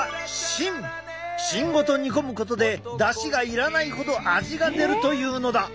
芯ごと煮込むことでだしが要らないほど味が出るというのだ。